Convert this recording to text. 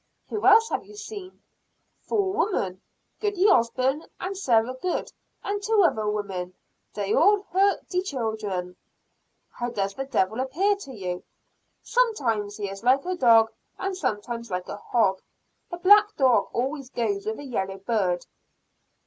"Who else have you seen?" "Four women. Goody Osburn and Sarah Good, and two other women. Dey all hurt de child'en." "How does the Devil appear to you?" "Sometimes he is like a dog, and sometimes like a hog. The black dog always goes with a yellow bird."